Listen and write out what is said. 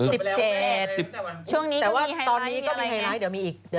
เดี๋ยวมีอีก